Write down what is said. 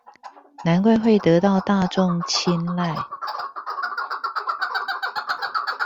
難怪會得到大眾親睞